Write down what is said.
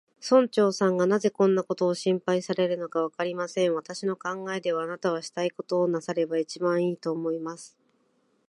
村長さんがなぜそんなことを心配されるのか、わかりません。私の考えでは、あなたはしたいことをなさればいちばんいい、と思います。